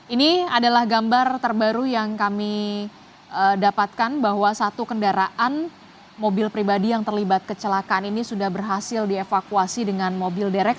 ini adalah gambar terbaru yang kami dapatkan bahwa satu kendaraan mobil pribadi yang terlibat kecelakaan ini sudah berhasil dievakuasi dengan mobil derek